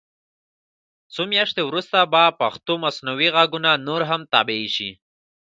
څو میاشتې وروسته به پښتو مصنوعي غږونه نور هم طبعي شي.